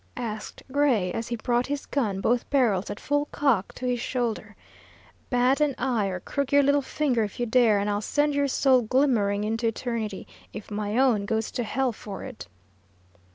asked Gray, as he brought his gun, both barrels at full cock, to his shoulder. "Bat an eye, or crook your little finger if you dare, and I'll send your soul glimmering into eternity, if my own goes to hell for it."